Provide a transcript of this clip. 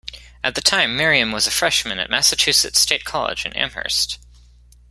At the time, Miriam was a freshman at Massachusetts State College in Amherst.